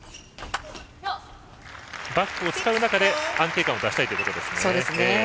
バックを使う中で安定感を出したいということですね。